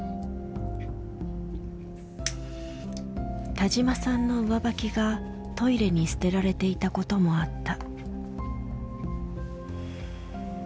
田嶋さんの上履きがトイレに捨てられていたこともあった。